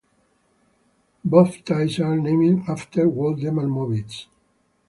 Both types are named after Woldemar Mobitz.